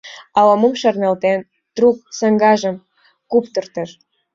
Ала-мом шарналтен, трук саҥгажым куптыртыш.